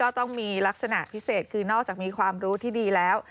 ต้องมีลักษณะพิเศษคือนอกจากมีความรู้ที่ดีแล้ว